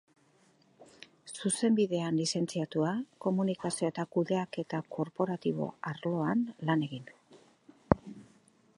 Zuzenbidean lizentziatua, komunikazio eta kudeaketa korporatibo arloan lan egin du.